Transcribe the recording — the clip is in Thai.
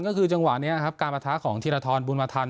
ก็คือจังหวะเนี้ยครับการปราธาของทีรธรบุญมาทร